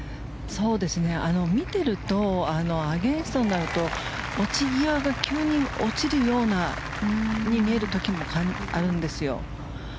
見ているとアゲンストになると落ち際が急に落ちるように見える時もあるんですよ。